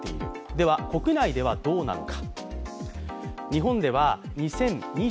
では国内ではどうなのか。